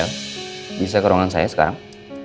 bisa ke ruangan saya sekarang